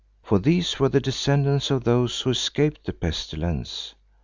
For these were the descendants of those who escaped the pestilence.